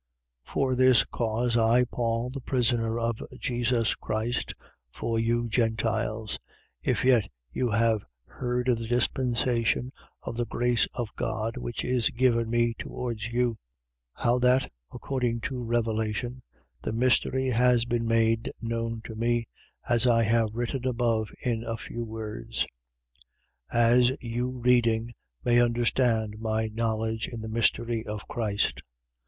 3:1. For this cause, I Paul, the prisoner of Jesus Christ, for you Gentiles: 3:2. If yet you have heard of the dispensation of the grace of God which is given me towards you: 3:3. How that, according to revelation, the mystery has been made known to me, as I have written above in a few words: 3:4. As you reading, may understand my knowledge in the mystery of Christ, 3:5.